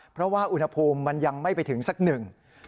เพราะว่าอุณหภูมิมันยังไม่ไปถึงสักหนึ่ง